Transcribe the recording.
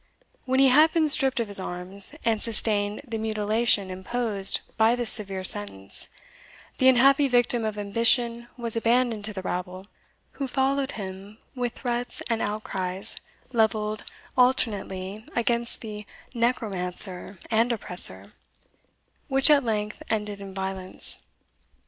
When he had been stripped of his arms, and sustained the mutilation imposed by this severe sentence, the unhappy victim of ambition was abandoned to the rabble, who followed him with threats and outcries levelled alternately against the necromancer and oppressor, which at length ended in violence.